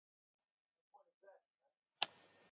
She was the first woman to earn a Ph.D. in the United States.